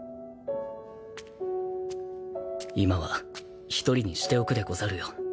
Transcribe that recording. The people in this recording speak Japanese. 今は一人にしておくでござるよ。